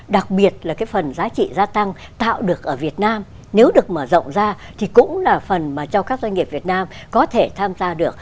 đặc biệt là cái phần giá trị gia tăng tạo được ở việt nam nếu được mở rộng ra thì cũng là phần mà cho các doanh nghiệp việt nam có thể tham gia được